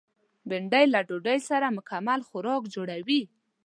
بېنډۍ له ډوډۍ سره مکمل خوراک جوړوي